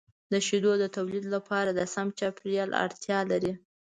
د شیدو د تولید لپاره د سم چاپیریال اړتیا لري.